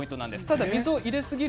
ただ水を入れすぎ